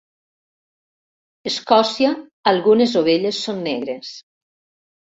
Escòcia algunes ovelles són negres.